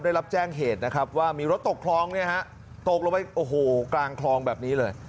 ได้รับแจ้งเหตุนะครับว่ามีรถตกคลองเนี่ยฮะตกลงไปโอ้โหกลางคลองแบบนี้เลย